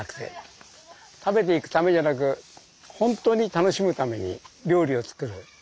食べていくためじゃなく本当に楽しむために料理を作る。